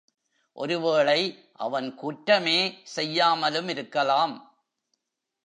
ஒருவேளை அவன் குற்றமே செய்யாமலு மிருக்கலாம்.